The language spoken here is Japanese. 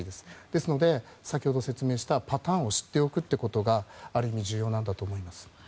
ですので、先ほど説明したパターンを知っておくことがある意味、重要だと思います。